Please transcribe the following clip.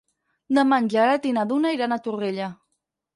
Demà en Gerard i na Duna aniran a Torrella.